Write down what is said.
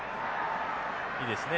いいですね。